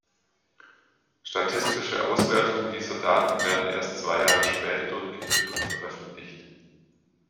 Statistische Auswertungen dieser Daten werden erst zwei Jahre später durchgeführt und veröffentlicht.